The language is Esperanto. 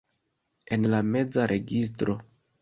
En la meza registro.